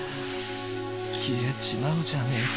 きえちまうじゃねえか。